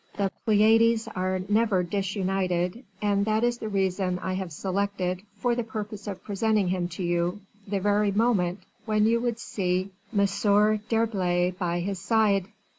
The Pleiades are never disunited, and that is the reason I have selected, for the purpose of presenting him to you, the very moment when you would see M. d'Herblay by his side."